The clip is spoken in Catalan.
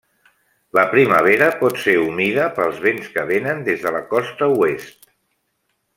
La primavera pot ser humida pels vents que vénen des de la costa oest.